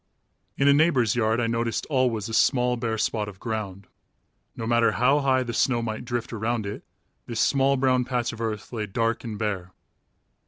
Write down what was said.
In a neighbor's yard I noticed always a small bare spot of ground. No matter how high the snow might drift around it, this small brown patch of earth lay dark and bare.